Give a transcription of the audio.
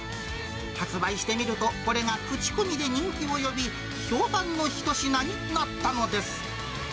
発売してみると、これが口コミで人気を呼び、評判の一品になったのです。